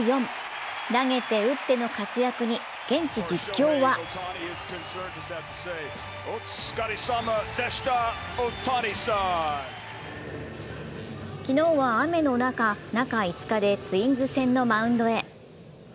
投げて打っての活躍に現地実況は昨日は雨の中、中５日でツインズ戦のマウンドへ。